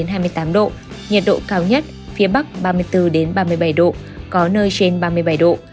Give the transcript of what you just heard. nhiệt độ cao nhất phía bắc ba mươi bốn ba mươi bảy độ có nơi trên ba mươi bảy độ